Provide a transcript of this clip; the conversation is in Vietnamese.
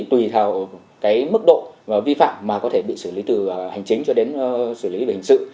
tùy theo mức độ vi phạm mà có thể bị xử lý từ hành chính cho đến xử lý về hình sự